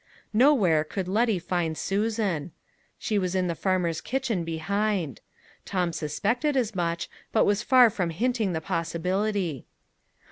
Nowhere could Letty find Susan. She was in the farmer's kitchen behind. Tom suspected as much, but was far from hinting the possibility.